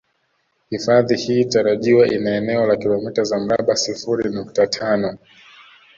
Hifadhi hii tarajiwa ina eneo la kilomita za mraba sifuri nukta tano